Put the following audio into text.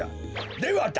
ではだ